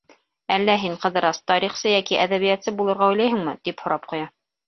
— Әллә һин, Ҡыҙырас, тарихсы йәки әҙәбиәтсе булырға уйлайһыңмы? -тип һорап ҡуя.